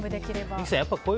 三木さん